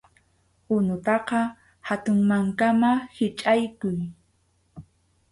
Unutaqa hatun mankaman hichʼaykuy.